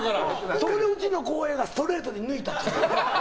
それでうちの後衛がストレートで抜いたという。